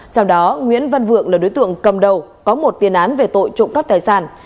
trong đó nguyễn văn vượng là đối tượng cầm đầu có một tiền án về tội trộm cắp tài sản